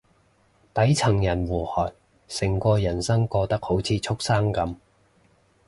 底層人互害，成個人生過得好似畜生噉